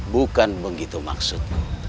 bukan begitu maksudku